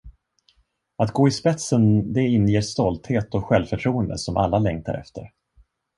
Att gå i spetsen det inger stolthet och självförtroende som alla längtar efter.